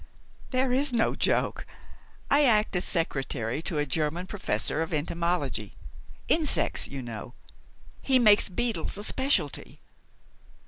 "There is no joke. I act as secretary to a German professor of entomology insects, you know; he makes beetles a specialty."